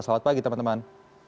selamat pagi teman teman